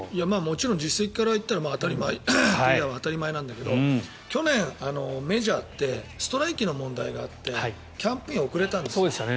実績から見れば当たり前といえば当たり前なんだけど去年メジャーってストライキの問題があってキャンプイン遅れたんです。